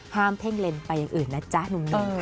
เพ่งเลนไปอย่างอื่นนะจ๊ะหนุ่มค่ะ